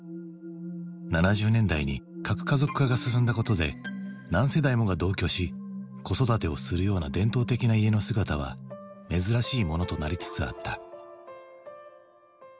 ７０年代に核家族化が進んだことで何世代もが同居し子育てをするような伝統的な家の姿は珍しいものとなりつつあった。